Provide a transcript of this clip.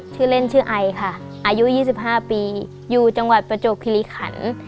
ชื่อเล่นชื่อไอค่ะอายุ๒๕ปีอยู่จังหวัดประจวบคิริขัน